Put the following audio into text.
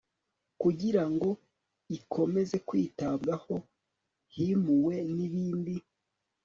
kugira ngo ikomeze kwitabwaho himuwe n ibindi